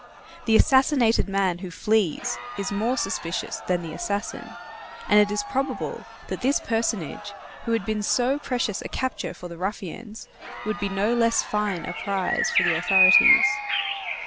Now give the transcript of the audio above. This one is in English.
The assassinated man who flees is more suspicious than the assassin, and it is probable that this personage, who had been so precious a capture for the ruffians, would be no less fine a prize for the authorities.